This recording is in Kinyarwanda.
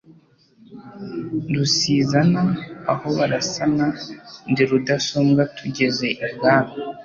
Rusizana aho barasana ndi rudasumbwa tugeze ibwami